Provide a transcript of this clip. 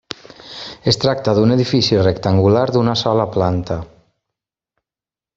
Es tracta d'un edifici rectangular d'una sola planta.